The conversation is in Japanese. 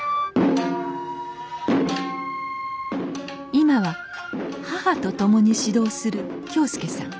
今は母と共に指導する恭将さん。